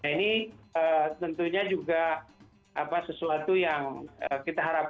nah ini tentunya juga sesuatu yang kita harapkan